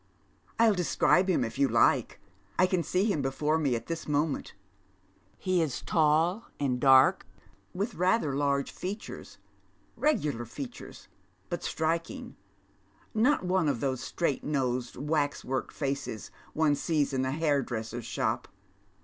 " I'll describe him if you like. I can see him before me at tins moment. He is tall and dark, with rather large features, regular features, but striking, not one of those straight nosed waswoik faces one sees dn a hairdresser's shop.